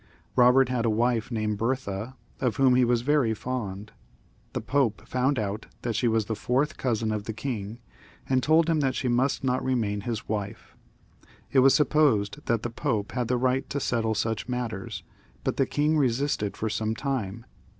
Sobert had a wife named Bertha, of whom he was very fond. The Pope found out that she was the fourth cousin of the king, and told him that she must not remain his wife. It was supposed that the Pope had the right to settle such matters, but the king resisted for some time.